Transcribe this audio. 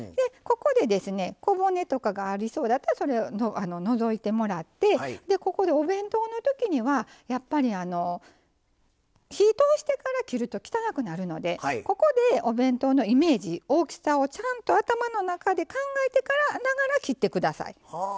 ここで小骨とかがありそうだったらそれを除いてもらってここでお弁当の時にはやっぱり火通してから切ると汚くなるのでここでお弁当のイメージ大きさをちゃんと頭の中で考えながら切って下さい。